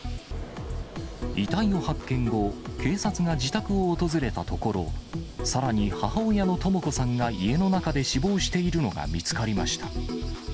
遺体の発見後、警察が自宅を訪れたところ、さらに母親の智子さんが家の中で死亡しているのが見つかりました。